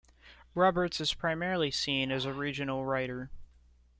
Roberts is primarily seen as a regional writer.